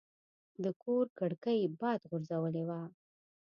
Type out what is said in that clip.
د کور کړکۍ باد غورځولې وه.